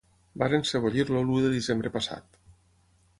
Varen sebollir-lo l'u de desembre passat.